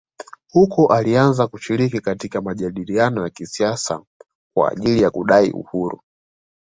Huko alianza kushiriki katika majadiliano ya kisiasa kwa ajili ya kudai uhuru